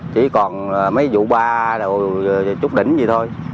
chỉ còn mấy vụ ba chút đỉnh gì thôi